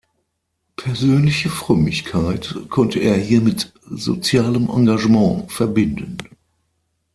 Persönliche Frömmigkeit konnte er hier mit sozialem Engagement verbinden.